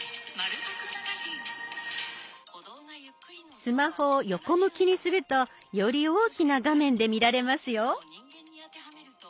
スマホを横向きにするとより大きな画面で見られますよ。